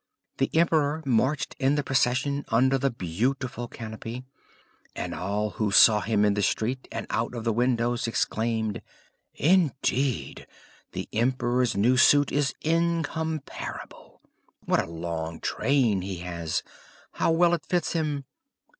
The emperor marched in the procession under the beautiful canopy, and all who saw him in the street and out of the windows exclaimed: "Indeed, the emperor's new suit is incomparable! What a long train he has! How well it fits him!"